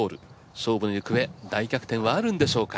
勝負の行方大逆転はあるんでしょうか？